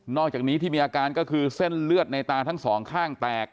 อกจากนี้ที่มีอาการก็คือเส้นเลือดในตาทั้งสองข้างแตก